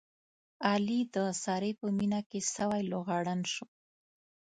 علي د سارې په مینه کې سوی لوغړن شو.